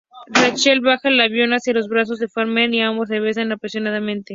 Rachel baja del avión hacia los brazos de Farmer y ambos se besan apasionadamente.